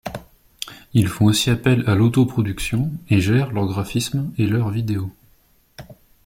Ils font aussi appel à l'autoproduction et gèrent leur graphisme et leurs vidéos.